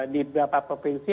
di beberapa provinsi